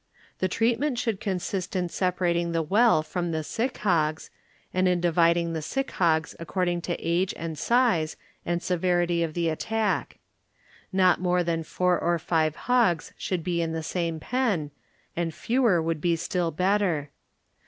The treatment should consist in separating the well from the sick hc^ and in dividing the sick hogs according to age and size and severity of the at tack. Not more than four or five hog┬½ should be in the same pen, and fewer would be still better.